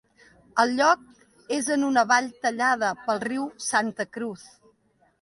El lloc és en una vall tallada pel riu Santa Cruz.